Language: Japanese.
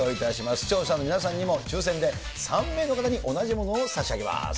視聴者の皆さんにも抽せんで３名の方に同じものを差し上げます。